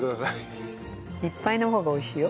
いっぱいの方が美味しいよ。